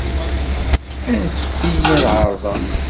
Anfet-iyi ad εerḍeɣ.